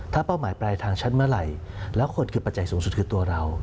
ถ้าเป้าหมายปลายทางฉันเมื่อไหร่แล้วคนคือปัจจัยสูงสุดคือตัวเรา